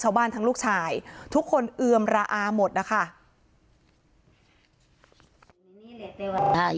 ทั้งลูกชายทุกคนเอือมระอาหมดนะคะ